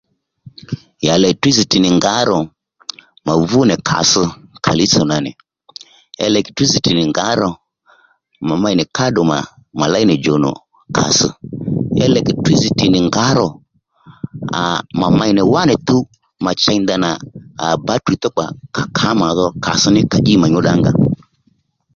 Ya elèktrísìti nì ngǎ ro mà vú nì kàss kàlíy tsò nà nì Ya elèktrísìti nì ngǎ ro mà mà mey nì káddùmà mà léy nì djònò kàss Ya elèktrísìti nì ngǎ ro à mà mey nì wánì tuw mà chey nì ndanà bǎtìrì túw kpà à kǎ mà dho kàss ní à í mà nyúddǎ ngà